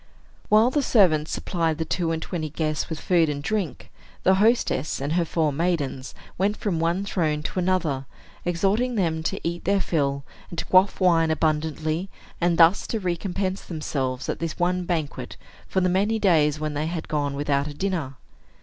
While the servants supplied the two and twenty guests with food and drink, the hostess and her four maidens went from one throne to another, exhorting them to eat their fill, and to quaff wine abundantly, and thus to recompense themselves, at this one banquet, for the many days when they had gone without a dinner.